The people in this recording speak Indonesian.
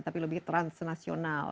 tapi lebih transnasional